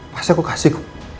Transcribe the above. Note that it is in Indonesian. pasti aku kasih